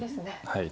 はい。